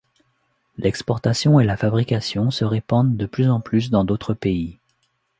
L’exportation et la fabrication se répandent de plus en plus dans d’autres pays.